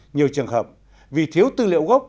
nhiều trường hợp vì thiếu tư liệu gốc